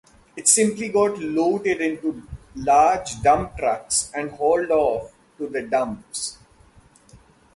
It simply got loaded into large dump trucks and hauled off to the "dumps".